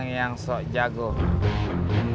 mesin satu poster rambut